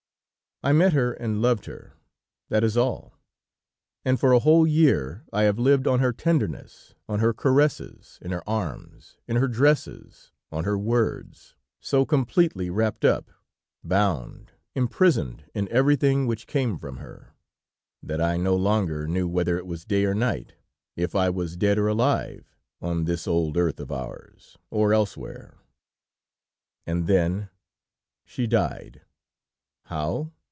I met her and loved her; that is all. And for a whole year I have lived on her tenderness, on her caresses, in her arms, in her dresses, on her words, so completely wrapped up, bound, imprisoned in everything which came from her, that I no longer knew whether it was day or night, if I was dead or alive, on this old earth of ours, or elsewhere. "And then she died. How?